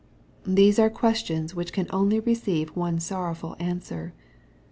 — These are questions which can only receive one sorrow ful answer.